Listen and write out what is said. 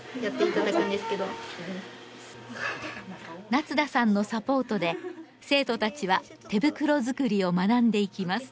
夏田さんのサポートで生徒たちは手袋づくりを学んでいきます。